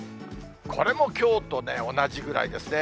これもきょうとね、同じぐらいですね。